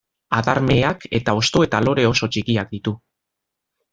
Adar meheak eta hosto eta lore oso txikiak ditu.